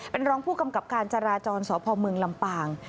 เป็นรองผู้กำกับการจราจรสพเมืองลำปาง